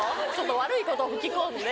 悪いことを吹き込んで。